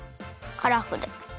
カラフル？